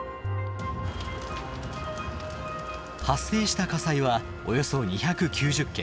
発生した火災はおよそ２９０件。